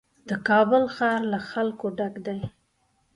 د کابل ښار له خلکو ډک دی.